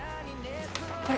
はい。